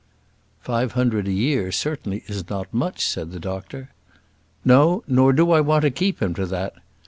"Five hundred a year certainly is not much," said the doctor. "No; nor do I want to keep him to that.